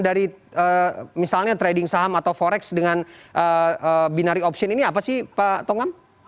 dari misalnya trading saham atau forex dengan binary option ini apa sih pak tongam